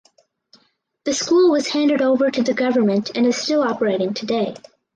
The school was handed over to the Government and is still operating today.